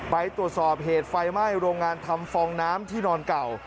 ไปตรวจสอบเหตุไฟไหม้โรงงานทำฟองน้ำที่นอนเก่า